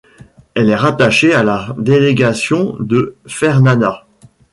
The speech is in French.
Elle est rattachée à la délégation de Fernana.